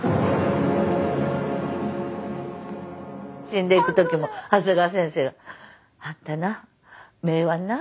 死んでいく時も長谷川先生があんたな目はな